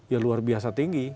ya luar biasa tinggi